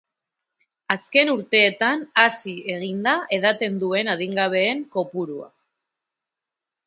Azken urteetan hazi egin da edaten duen adingabeen kopurua.